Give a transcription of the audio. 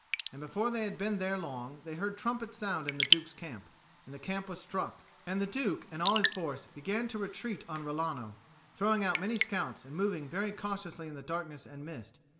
And before they had been there long, they heard trumpets sound in the Duke's camp, and the camp was struck, and the Duke and all his force began to retreat on Rilano, throwing out many scouts, and moving very cautiously in the darkness and mist.